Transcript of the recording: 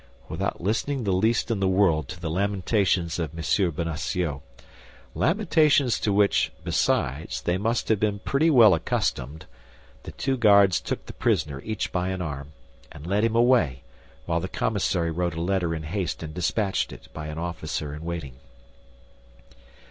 Without listening the least in the world to the lamentations of M. Bonacieux—lamentations to which, besides, they must have been pretty well accustomed—the two guards took the prisoner each by an arm, and led him away, while the commissary wrote a letter in haste and dispatched it by an officer in waiting.